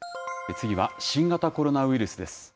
次は新型コロナウイルスです。